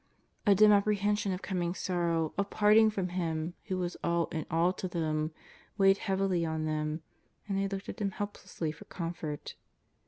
A dim apprehension of coming sorrow, of parting from Him who w^as all in all to them, weighed heavily on them, and they looked at Him helplessly for comfort.